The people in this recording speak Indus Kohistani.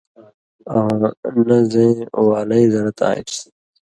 آں نہ زَیں والَیں زرت آن٘سیۡ۔